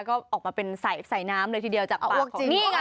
ก็ออกมาเป็นใส่น้ำเลยทีเดียวจากปากของนี่ไง